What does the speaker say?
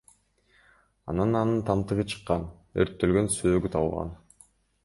Анан анын тамтыгы чыккан, өрттөлгөн сөөгү табылган.